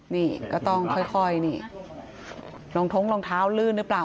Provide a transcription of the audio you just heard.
นี่ก็ต้องค่อยนี่รองท้องรองเท้าลื่นหรือเปล่า